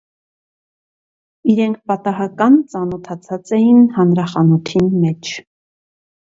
Իրենք պատահական ծանօթացած էին հանրախանութին մէջ։